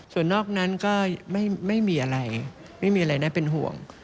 ส่วนนอกนั้นก็ไม่มีอะไรไม่มีอะไรน่าเป็นห่วง